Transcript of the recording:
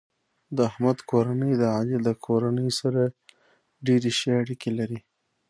د احمد کورنۍ د علي له کورنۍ سره ډېرې ښې اړیکې لري.